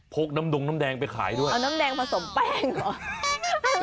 กน้ำดงน้ำแดงไปขายด้วยเอาน้ำแดงผสมแป้งเหรอ